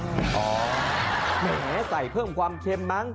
แหมใส่เพิ่มความเค็มมั้ง